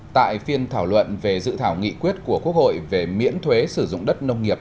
tại phiên thảo luận về dự thảo nghị quyết của quốc hội về miễn thuế sử dụng đất nông nghiệp